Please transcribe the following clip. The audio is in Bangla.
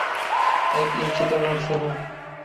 এক ইঞ্চিও নড়ছে না।